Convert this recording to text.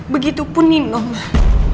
begitupun nino mah